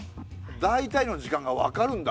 大体の時間が分かるんだ。